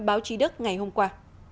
báo chí đức ngày hôm qua